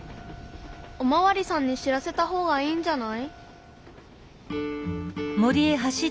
おまわりさんに知らせた方がいいんじゃない？